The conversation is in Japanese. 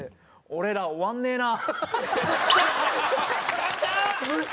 「俺ら終わんねえな」。